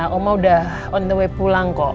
oma udah on the way pulang kok